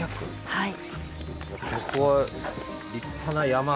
はい。